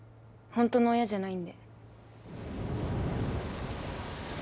本当の親じゃないんで。